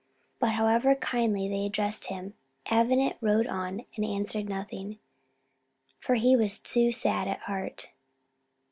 But, however kindly they addressed him, Avenant rode on and answered nothing, for he was too sad at heart.